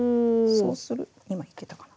そうする今いけたかな。